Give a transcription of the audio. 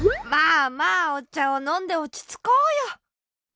まあまあおちゃをのんでおちつこうよ。